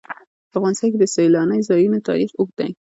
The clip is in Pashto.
په افغانستان کې د سیلانی ځایونه تاریخ اوږد دی.